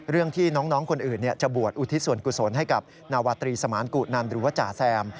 เรื่องที่น้องคนอื่นจะบวชอุทิศส่วนกุศลให้กับนาวาตรีสมานกุนันหรือว่าจ่าแซม